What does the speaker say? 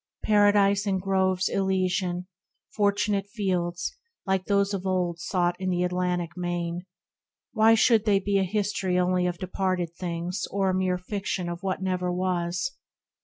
Paradise, and groves Elysian, Fortunate Fields — like those of old Sought in the Atlantic Main — why should they be A history only of departed things, THE RECLUSE 53 Or a mere fiction of what never was